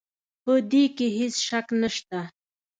په دې کې هيڅ شک نشته